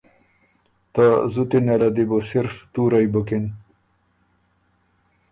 ته زُتی نېله دی بُو صِرف تُورئ بکِن،